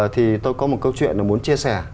thì tôi có một câu chuyện là muốn chia sẻ